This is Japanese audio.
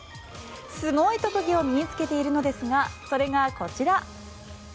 すごい特技を身に着けているのですがそれがこちら。